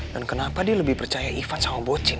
dan kenapa dia lebih percaya ivan sama bocin